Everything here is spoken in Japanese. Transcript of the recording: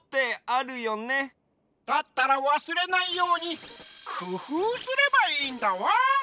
だったらわすれないようにくふうすればいいんだワン！